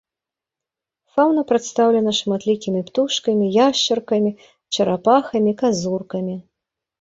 Фаўна прадстаўлена шматлікімі птушкамі, яшчаркамі, чарапахамі, казуркамі.